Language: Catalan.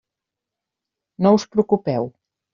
No us preocupeu.